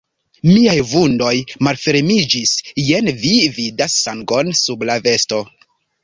Miaj vundoj malfermiĝis: jen, vi vidas sangon sub la vesto?